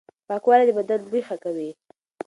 پاکوالي د بدن بوی ښه کوي.